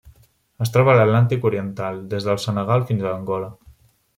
Es troba a l'Atlàntic oriental: des del Senegal fins a Angola.